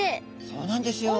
そうなんですよ。